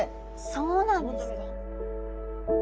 そうなんですか。